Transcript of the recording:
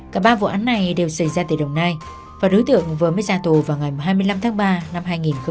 cả ba vụ án này đều xảy ra tại đồng nai và đối tượng vừa mới ra tù vào ngày hai mươi năm tháng ba năm hai nghìn hai mươi